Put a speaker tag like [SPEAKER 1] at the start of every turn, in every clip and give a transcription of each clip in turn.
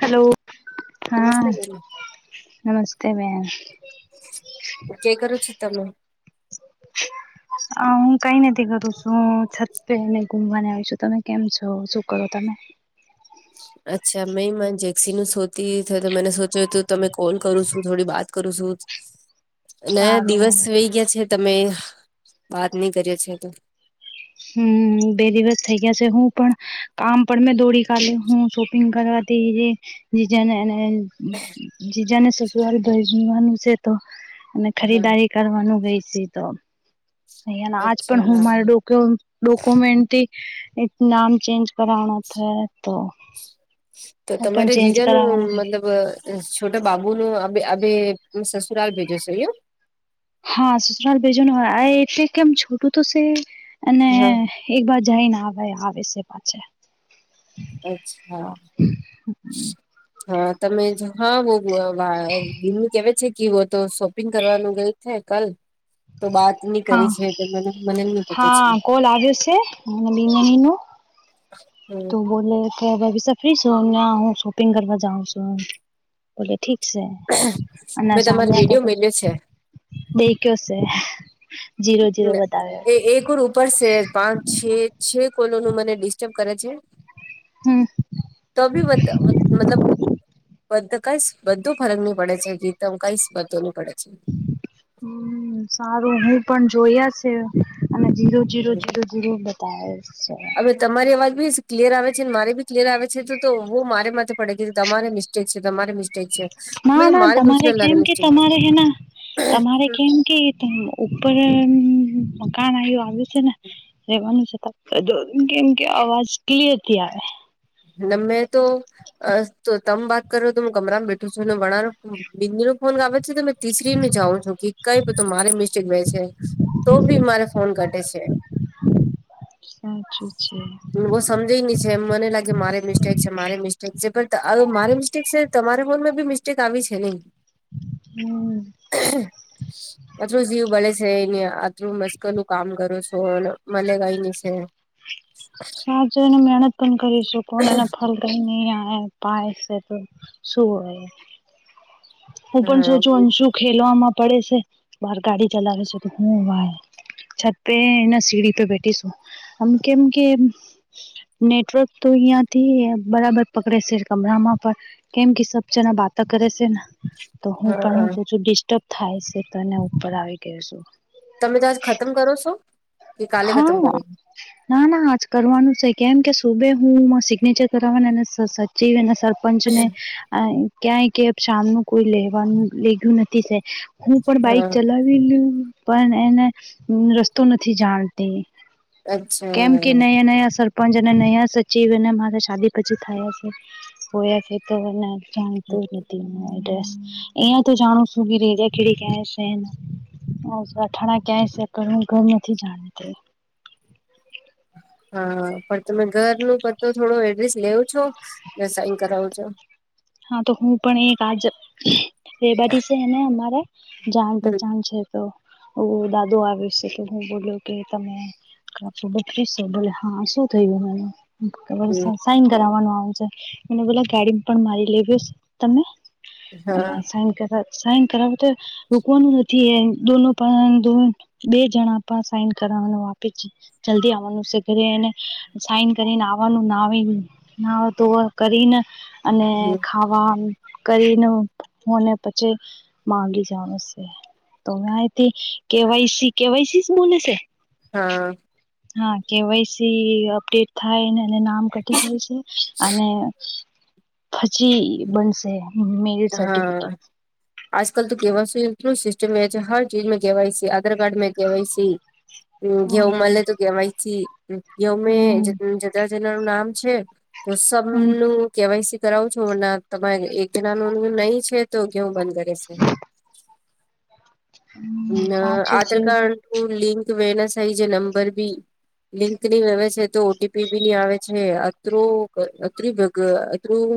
[SPEAKER 1] Hello હા
[SPEAKER 2] નમસ્તે બેન
[SPEAKER 1] નમસ્તે બેન
[SPEAKER 2] કે કરું છો તમે? [inaudible]
[SPEAKER 1] હ હું કઈ નથી કરું છું. છત પેને ગુમવાને આવીશું તમે કેમ છો શું કરો તમે?
[SPEAKER 2] અચ્છા મે મ જેક્સી નુ સોતી તો મને સોચ્યું હતું તમે કોલ કરું છું. થોડી વાત કરું છું. નાયા
[SPEAKER 1] સારું.
[SPEAKER 2] દિવસ વહી ગયા છે. તમે બાત નહી કર્યો છે તો
[SPEAKER 1] હમ બે દિવસ થઈ ગયા છે. હું પણ કામ પણ મેં દોડી કાલે હું છ. [unintelligible] ગ કરવાથી જીજા ને અને જીજા ને સસુવાળ ધઈવાનું છે તો અને
[SPEAKER 2] હા
[SPEAKER 1] ખરીદારી કરવાનું ગય છે તો અ આજ પણ હું
[SPEAKER 2] અચ્છા
[SPEAKER 1] મારે ડોકો ડોકોમેન્ટ મેન્ટ થી નામ ચેન્જ કરાવના થ તો
[SPEAKER 2] તો
[SPEAKER 1] હું પણ
[SPEAKER 2] તમારે
[SPEAKER 1] ચેન્જ
[SPEAKER 2] જીજા નુ
[SPEAKER 1] કરાવવાનું
[SPEAKER 2] મતલબ છોટા બાબુ નુ અવે અવે સસુરાલ ભેજો છો યો
[SPEAKER 1] હા સસુરાલ ભેજો ન હો આ ય એટલે કેમ છોટું તો છે. અને
[SPEAKER 2] હા
[SPEAKER 1] એક વાર જઈને આવે આવે છે પાછ
[SPEAKER 2] અચ્છા. હા તમે હા બ બિંદની કેવે છે. કિ વો તો શોપિંગ કરવાનું ગણ છે કલ તો બાત ની
[SPEAKER 1] હા
[SPEAKER 2] કરી છે મને મને ની પતો છે.
[SPEAKER 1] હા કોલ આવ્યો છે અને બિનની નો
[SPEAKER 2] [inaudible]
[SPEAKER 1] તો બોલે કે ભભી ફ્રી છું અમને હું શોપિંગ કરવા જાઉં છું બોલે ઠીક. અને
[SPEAKER 2] મેં તમારો
[SPEAKER 1] સાંભળા તો
[SPEAKER 2] વિડીયો
[SPEAKER 1] તો
[SPEAKER 2] મેલ્યો છે
[SPEAKER 1] દેખ્યો છે. જીરો જીરો બતાવે
[SPEAKER 2] એ એકર ઉપર છે. પાંચ છે. છે કોલો નું મને ડિસ્ટર્બ કરે છે.
[SPEAKER 1] હમ.
[SPEAKER 2] તો બી મતલબ બધ કઈ બધો ફરક ની પડે છે. ગીત મ કાઈસ પતો નની પડે છે.
[SPEAKER 1] હમ સારું હું પણ જોયા છે. અને જીરો જીરો જીરો જીરો બતાવે છે.
[SPEAKER 2] હવે તમારી અવાજ બી ક્લિયર આવે છેને મારે બી ક્લિયર આવે છે તો વ મારે માથે પડે કે તમારે મિસ્ તમારે મ
[SPEAKER 1] ના ના તમારે કેમ કે
[SPEAKER 2] મિસ્ટેક
[SPEAKER 1] તમારે હેના તમારે કેમ કે ઉપર મકાન આવું આવ્યું છે ને રેવાનું છે ત દો કેમ કે અવાજ ક્લયર થી આવે.
[SPEAKER 2] ન મેં તો અ તો તમ વાત કરો તો હું કમરામાં બેઠું છું. અનેને વણાનો બિંદુ ન ફોન ગાવ છે ત તિસરી ને જાાવં છો કે કઈ બ તો મારે મિસ્ટેક ગ છે. તો બી મારે ફોન કઢટે છે.
[SPEAKER 1] સાચી છે.
[SPEAKER 2] વો સમજય ની છે એમ મને લાગે. કે મારે મિસ્ટેક છે. મારે મિસ્ટેક છે. પણ મારે મિસ્ટેક છે તમારે ફોનમાં બી મિસ્ટેક આવી છે નઈ
[SPEAKER 1] હમ
[SPEAKER 2] [inaudible] આટલું જીવ બળે છે એને આટલું મસ્ક નું કામ કરો છો મલે ગા ન‌ઈ છે
[SPEAKER 1] સાચું એને મહેનત પણ કરી શકો એના ફલ પન પાયસે તો શું હું પણ શો
[SPEAKER 2] હા
[SPEAKER 1] છું અંશુ ખેલવામાં પડે છે બહાર ગાડી ચલાવે છે તો હું વાય છત પે એના સીડી પે બેઠીશું આમ કેમ કે નેટવર્ક તો અહંથી બરાબર પકડે છે કમરામાં પણ કેમ કે સબ જણા બાતા કરે છે ન તો હું પણ
[SPEAKER 2] હા
[SPEAKER 1] હું છું ડિસ્ટર્બ થાય છે તો ઉપર આવી ગયો છું.
[SPEAKER 2] તમે તો આજ ખતમ કરો છો કે કાલે ખતમ
[SPEAKER 1] હા
[SPEAKER 2] કરો.
[SPEAKER 1] ના ના આજ કરવાનું છે કેમ કે સુબે હું સિગ્નેચર કરવાાવ સચીને સર પંચને ક્યાંય કે સામનું કોઈ લેવાનું લે ગયું નથી સે હું પણ બાઈક
[SPEAKER 2] હા
[SPEAKER 1] ચલાવી લું પણ એને રસ્તો નથી જાણતી કેમ કે
[SPEAKER 2] અચ્છા
[SPEAKER 1] નયા નયા સર પણ જના ન્યા સચિવ અને મારા શાદી પછી થયા છે તો જાણીતો નથીસ અહંયા તો જાણું શું ક ર કેડી ક છે [inaudible] હ અથાણા ક્યાંય છે પણ હું ઘર નથી જાણીતી
[SPEAKER 2] હા પણ તમે ઘર ન પતો થોડો એડ્રેસ લેવ છો સાઈન કરાવું છો
[SPEAKER 1] હા તો હું પણ એક આજ રેવા દસે એને અમારે જાણ
[SPEAKER 2] હમ
[SPEAKER 1] પચાન છે. તો હું દાદો આવ છે તો હું બોલ્યો કે તમે બ ભ હા શું થયું હ [inaudible]
[SPEAKER 2] હમ
[SPEAKER 1] સાઇન કરવાનું આવ છે મને પેલા ગાડી પણ મારી લેવ તમે એ
[SPEAKER 2] હા
[SPEAKER 1] સાન સાઇન કરાવ તો રોકવાનું નથી એોનો [inaudible] પણ બે જણા પણ સાઈન કરવાનું આપે જલ્દી આવવાનું છે ઘરે એને સાઈન કરીને આવવાનું ના ના તો કરીને અને
[SPEAKER 2] હમ
[SPEAKER 1] આવા કરીને પછી માગી જાનું છે [unintelligible]
[SPEAKER 2] હા
[SPEAKER 1] હા કેવાયસી અપડેટ થાય એ નામ કટી દાય છે અને જી બનસે મેરિટ સર્ટિફિકેટ
[SPEAKER 2] આજ કલ તો કેવા સિસ્ટમ છે હર ચીજ મા કે વાઇ શી છે આધાર કાર્ડ મે કેવાયસી
[SPEAKER 1] હમ
[SPEAKER 2] ઘેઉ મળે તોયથી ઘેઉ
[SPEAKER 1] હમ
[SPEAKER 2] જદા જના નું નામ છે [inaudible] તો
[SPEAKER 1] હમ
[SPEAKER 2] સબનું કેવાય સી કરાવું છું તો ના તમારે એક જણા ન નહી છે તો કેવું બંધ કરે છે.
[SPEAKER 1] હમ
[SPEAKER 2] અ
[SPEAKER 1] સાચી છે
[SPEAKER 2] આધાર કાર્ડ લિંક વેના સાહી જે નંબર બી લિંક નહી આવે છે તો ઓટીપી બી નઈ આવે છે અતરું અતું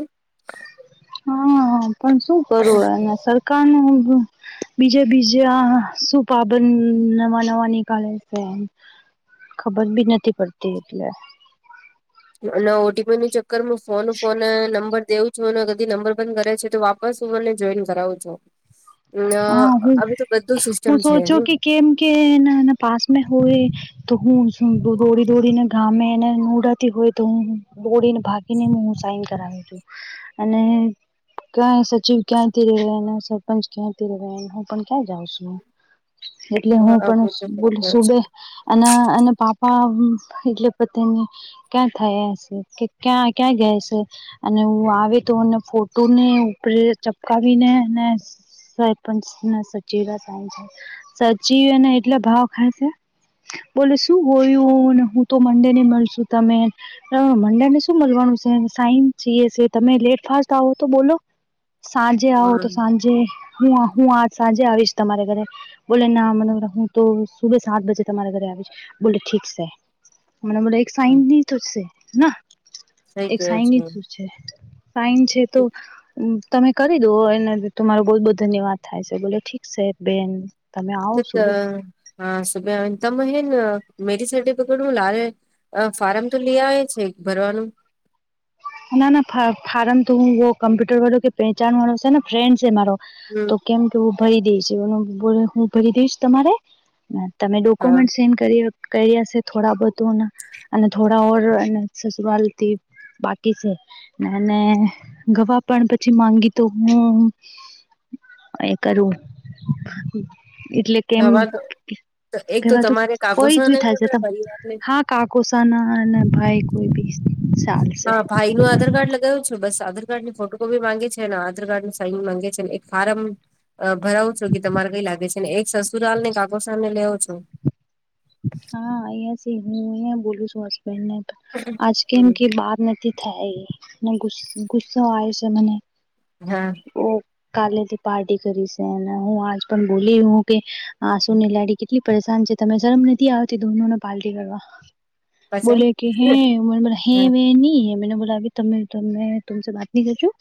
[SPEAKER 2] [unintelligible]
[SPEAKER 1] હા પણ શું કરું અને સરકારને બીજા બીજા શુંપબન નવા નવા નીિકળે છે ખબર બી નથી પડતી એટલે
[SPEAKER 2] અને ઓટીપી નું ચક્કર હું ફોન ફોન નંબર દઉ છ [unintelligible] અ
[SPEAKER 1] હા હું
[SPEAKER 2] આવી તો બધું સિસ્ટમ
[SPEAKER 1] હું
[SPEAKER 2] છે
[SPEAKER 1] સોચો
[SPEAKER 2] એ
[SPEAKER 1] [unintelligible] તો હું શ દોડી દોડીને ગામે એને નોડાતી હોય તો હું બોડીને ભાગીને હ હું સાઈન કરાવી છું અને [unintelligible] [unintelligible]
[SPEAKER 2] હા
[SPEAKER 1] અને અનેના પાપા એટલે પોતાની ક્યાં થયા હશે કે ક્યાં ક્યાં ગયા છે અને હું આવે તોને ફોટો ને ઉપરે ચપકાવીને અને સરપંચ સચ સા [unintelligible] સાચી એને એટલે ભાવ ખાય છે બોલે શું હોયું હું તો મંડે ની મળશું છું તમે મડે ને શું મળવાનું છે સાઈ જીએ છે તમે લેટફાસ્ટ આવો તો બોલો સાંજે આવો તો સાંજે હું હું આ સાંજે આવીશ તમારે ઘરે બોલે ના મ હું તો સુભે સાતજે તમારા ઘરે આવીશ બોલે ઠીક છે [unintelligible]
[SPEAKER 2] સહી
[SPEAKER 1] એક
[SPEAKER 2] કેયો
[SPEAKER 1] સાઈન છે સાઈન છે તો તમે કરી દો એને તમારો બહ [unintelligible] બહ ધન્યવાદ થાય છે બોલે ઠીક છે બેન તમે આવો
[SPEAKER 2] તો
[SPEAKER 1] સુબે
[SPEAKER 2] હા સભતામ હન મેરી સા પકડ હું લ [inaudible] અ ફાર્મ તો લે આવે છે ભરવાનું
[SPEAKER 1] ના ના ફાર્મ તો હું કમ્પ્યુટર વાળો કે પેહચાન વાળો છેને ફ્રેન્ડ છે મારો
[SPEAKER 2] હમ
[SPEAKER 1] તો કેમ કે હું ભરી દઈશ એ હું ભરી દઈશ તમારે તમે
[SPEAKER 2] હા
[SPEAKER 1] ડોક્યુમેન્ટ સે કર છે થોડા બધું અને થોડા ઓર અને સસુવાલથી [unintelligible] [unintelligible] અને ગવા પણ પછી માંગી તો હું એ કરવું એટલે કેમ
[SPEAKER 2] હવા તો એક તો
[SPEAKER 1] કવાતું
[SPEAKER 2] તમારે
[SPEAKER 1] કોઈ જી
[SPEAKER 2] કાગોસાને
[SPEAKER 1] થાય છે ત
[SPEAKER 2] પરિવારને
[SPEAKER 1] હા કાકુસાના અને ભાઈ કોઈ બી ચાલશે
[SPEAKER 2] હા ભાઈ હું આધાર કાર્ડ લગાવ્યું છું બસ આધાર કાર્ડની ફોટોકોપી માંગે છે અને આધાર કાર્ડ નું સાઈન માંગે છે એક ફાર્મ ભરાવું છો કે તમારે કઈ લાગે છે ને એક સસુરાલ ને કાકો સામેને લેવો છો
[SPEAKER 1] હા અી હું અ બોલું છું હસબન્ડ ને આજ કે એમ
[SPEAKER 2] હમ
[SPEAKER 1] કે બાર થાય અને ગુ ગુસ્સો આયો સે મને
[SPEAKER 2] હા
[SPEAKER 1] ઓ કાલે થી પાર્ટી કરી સે અને હું આજ પણ બોલી હું કે હા શું ને લેડી કેટલી પરેશાન છે તમે શરમ નથી આવતી દોનોને પાલટી કરવા.
[SPEAKER 2] પછી
[SPEAKER 1] બોલે કે હે [unintelligible] હે
[SPEAKER 2] હા
[SPEAKER 1] વ ન મેને બોલા તમે તમે તુંમ વાત નહી કરું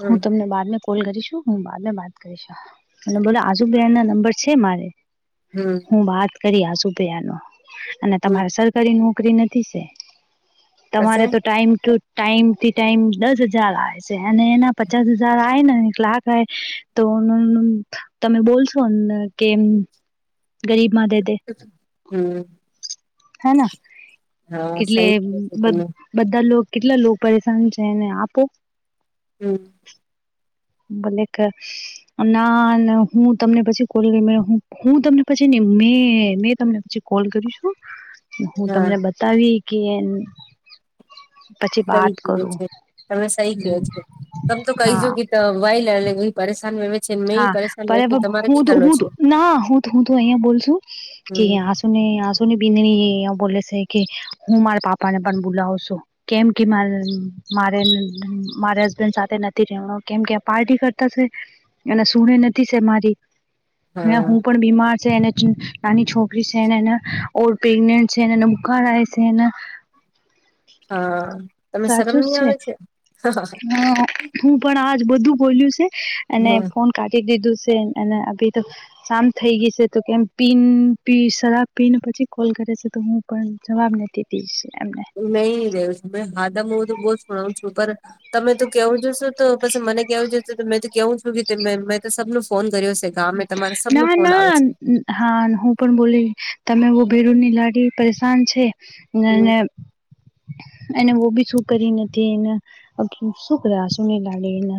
[SPEAKER 2] હમ
[SPEAKER 1] બાદ કોલ કરીશું હું બાદ મેં બાત કરીશ અને બોલો આજુ બિરાની [unintelligible] ના નંબર છે મારે
[SPEAKER 2] હમ
[SPEAKER 1] હું વાત કરી સુપિયા ન અને
[SPEAKER 2] હમ
[SPEAKER 1] તમારે સરકારી નોકરી નથી સે તમારે
[SPEAKER 2] પછી
[SPEAKER 1] તો ટાઈમ ટુ ટાઈમ થી ટાઈમ દસ હજાર આવે છે અને એના પચાસ હજાર આય ને એક લાખ આવે તો તમે બોલશો ને કે ગરીબ મામા દેદ
[SPEAKER 2] હમ
[SPEAKER 1] હેના.
[SPEAKER 2] હા
[SPEAKER 1] કેટલે
[SPEAKER 2] સહી કયો છો તમે
[SPEAKER 1] બધા લોક કેટલા લોક કે પરેશાન છેને આપો
[SPEAKER 2] હમ.
[SPEAKER 1] મને કર ના હું તમને પછી કોલ હું તમને પછી મે મેં તમને પછી કોલ કરીશું.
[SPEAKER 2] [inaudible]
[SPEAKER 1] હું
[SPEAKER 2] હા
[SPEAKER 1] તમને બતાવી કે એમ
[SPEAKER 2] સહી કીધું છે તમે સહી કયો છે તમ તો કહીજો
[SPEAKER 1] હા
[SPEAKER 2] કે [unintelligible] વવે છે મે
[SPEAKER 1] હા
[SPEAKER 2] પરેશાન વવે છું
[SPEAKER 1] પણ
[SPEAKER 2] તમારે
[SPEAKER 1] હું
[SPEAKER 2] કઈ
[SPEAKER 1] તો
[SPEAKER 2] કરનો
[SPEAKER 1] હું
[SPEAKER 2] છે
[SPEAKER 1] ના હું હું તો અહિયા બોલ છું કે
[SPEAKER 2] હમ
[SPEAKER 1] સુ [unintelligible] છે કે હું માર પાપાને પણ બુલાવ છો કેમ કે મા મારે મારે હસબેન્ડ સાથે નથી રહે કેમ કે પાર્ટી કરતાસે એ શણી [unintelligible] નથી છે મારી હ
[SPEAKER 2] હા
[SPEAKER 1] હું પણ બીમાર છે એને નાની છોકરી છેને ઓર પ્રેગનેન્ટ છેને બુખાર છેને
[SPEAKER 2] હા તમે શરમ
[SPEAKER 1] સાચું જ
[SPEAKER 2] ની આવે છે.
[SPEAKER 1] હા. હું પણ આજ બધું બોલ્યું છે અને
[SPEAKER 2] હા
[SPEAKER 1] ફોન કાઢી દીધું છે અબીતો. સામ થઈ ગઈ છે તો કેમ પીન શરાબ પીન પછી કોલ કરે છે તો હું પણ જવાબ નથી દી એમને.
[SPEAKER 2] નહી નહી રહવ તમે હા તો હું તો બહુ જણાવું છું પણ તમે તો કેવું તો પછી મને કેવું છે મે તો કેવું છું કે મેં તો સબ ન ફોન કર્યો છે. ગામે તમારે સબનું
[SPEAKER 1] ના
[SPEAKER 2] ફોન
[SPEAKER 1] ના
[SPEAKER 2] આવે છે.
[SPEAKER 1] હા હું પણ બોલી તમે ભેરુ ની લાડી પરેશાન છે
[SPEAKER 2] હમ
[SPEAKER 1] અને
[SPEAKER 2] [inaudible]
[SPEAKER 1] એને બહું બી શું કરી નથી એને શું કર સુુંની લાગે એને.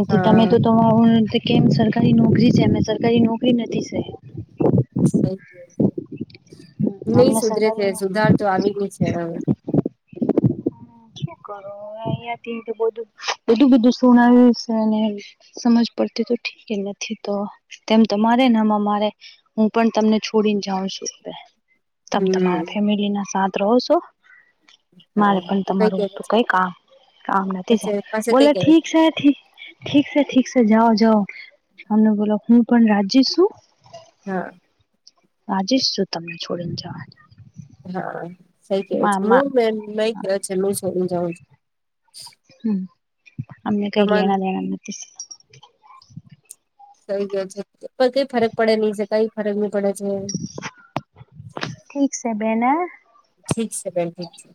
[SPEAKER 1] એથી તમે
[SPEAKER 2] હા
[SPEAKER 1] તો [unintelligible] કેમ સરકારી નોકરી છે અમે સરકારી નોકરી નથી છે.
[SPEAKER 2] નઈ
[SPEAKER 1] અમને
[SPEAKER 2] સુધરે છે
[SPEAKER 1] સરકારી
[SPEAKER 2] સુધાર તો આવી ગઈ છે હવે. [inaudible]
[SPEAKER 1] [inaudible] અહિયાં થી બું બધું બધું શણ્યું છે સમજ પડતી તો ઠીક નથી તો તેમ તમારે અમ મારે. હું પણ તમને છોડીને જાઉ છું તમે
[SPEAKER 2] હમ
[SPEAKER 1] તમારા ફેમિલી ના સા રહો છો.
[SPEAKER 2] [inaudible]
[SPEAKER 1] મારે પણ
[SPEAKER 2] તો કઈ
[SPEAKER 1] તમારું
[SPEAKER 2] કેવા છે
[SPEAKER 1] કઈ કામ કામ નથી
[SPEAKER 2] પછી પાસે કઈ
[SPEAKER 1] બોલે
[SPEAKER 2] કેવા
[SPEAKER 1] ઠીક છે ઠી ઠીક સે ઠીક સે જાઓ જાઓ. તમને બોલો હું પણ રાજી છું.
[SPEAKER 2] હા.
[SPEAKER 1] રાજેશ જો તમને છોડીને જવાના.
[SPEAKER 2] હા સઈ કેવા છે હું કે છે હું છો જાઉં છું.
[SPEAKER 1] હમ અમને કઈ
[SPEAKER 2] તમા
[SPEAKER 1] લેણા લેણ નથી.
[SPEAKER 2] થઈ ગયો છે પણ કઈ ફરક પડે નહી છે કઈ ફરક. છે
[SPEAKER 1] ઠીક છે બેન
[SPEAKER 2] ઠીક છે બેન ઠીક છે.